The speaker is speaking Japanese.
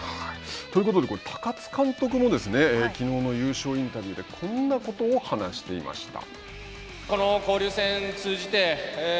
ということで高津監督もきのうの優勝インタビューでこんなことを話していました。